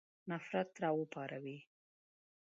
نفرت را وپاروي.